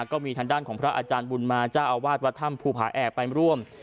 ก็มีทางด้านของพระอาจารย์บุญมาเจ้าอาวาสวัดถ้ำภูผาแอกไปร่วม